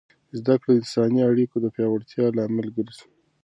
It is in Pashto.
زده کړه د انساني اړیکو د پیاوړتیا لامل ګرځي.